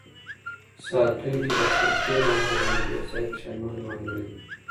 ساتونکي په خپل تېر عمل باندې ډېر زیات پښېمانه معلومېده.